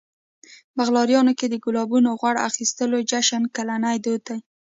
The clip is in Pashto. بلغاریا کې د ګلابونو غوړ اخیستلو جشن کلنی دود دی.